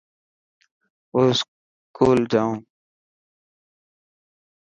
آو اسڪول جائون.